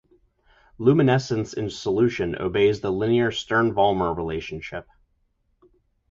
Luminescence in solution obeys the linear Stern-Volmer relationship.